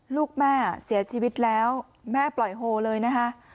ลูกแม่เสียชีวิตแล้วแม่ปล่อยโฮเลยนะคะ